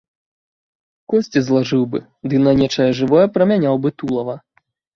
Косці злажыў бы ды на нечае жывое прамяняў бы тулава.